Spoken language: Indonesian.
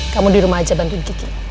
kamu di rumah aja bantuin kiki